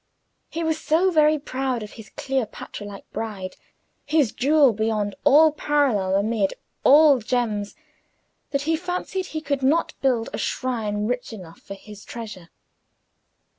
He was so proud of his Cleopatra like bride, his jewel beyond all parallel amid all gems, that he fancied he could not build a shrine rich enough for his treasure.